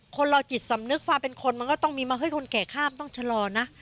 คนเราจิตสำนึกความเป็นคนมันก็ต้องมีมาเฮ้ยคนแก่ข้ามต้องชะลอนะ